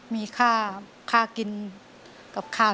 มีค่ากินกับข้าว